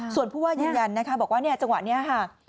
ส่วนผู้ว่ายืนยันนะคะบอกว่าเนี่ยจังหวะนี้ค่ะ